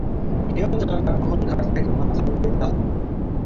কেউ জানে না, কখন কার ঘাড় থেকে মাথা উড়িয়ে দেওয়া হবে।